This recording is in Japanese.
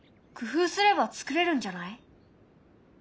工夫すればつくれるんじゃない？